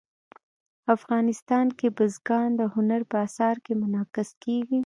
افغانستان کې بزګان د هنر په اثار کې منعکس کېږي.